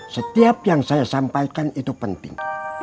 setiap yang saya sampaikan itu penting